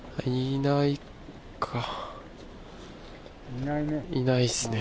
いないね。